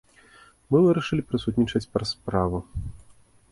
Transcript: Мы вырашылі прысутнічаць праз справу.